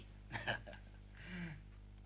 kok pak burpau sih